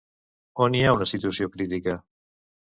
On hi ha una situació crítica?